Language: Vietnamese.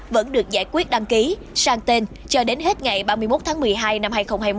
vẫn được giải quyết đăng ký sang tên cho đến hết ngày ba mươi một tháng một mươi hai năm hai nghìn hai mươi một